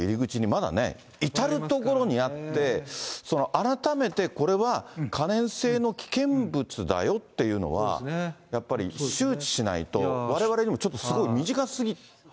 改めてこれは可燃性の危険物だよっていうのは、やっぱり周知しないと、われわれにもちょっとすごい身近すぎて。